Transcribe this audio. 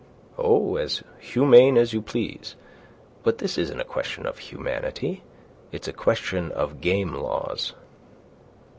"Oh, as humane as you please. But this isn't a question of humanity. It's a question of game laws."